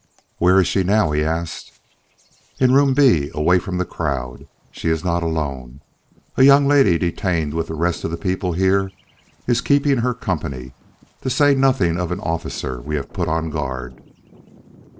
"Where is she now?" he asked. "In Room B, away from the crowd. She is not alone. A young lady detained with the rest of the people here is keeping her company, to say nothing of an officer we have put on guard."